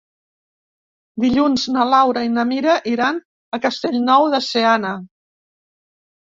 Dilluns na Laura i na Mira iran a Castellnou de Seana.